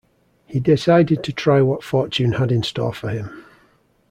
He decided to try what fortune had in store for him.